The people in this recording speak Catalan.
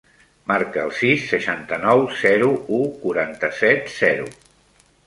Marca el sis, seixanta-nou, zero, u, quaranta-set, zero.